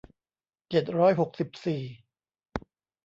เจ็ดร้อยหกสิบสี่